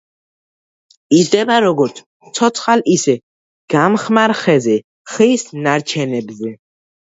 იზრდება როგორც ცოცხალ, ისე გამხმარ ხეზე, ხის ნარჩენებზე.